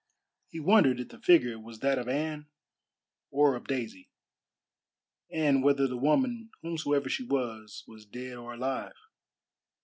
He wondered if the figure was that of Anne or of Daisy, and whether the woman, whomsoever she was, was dead or alive.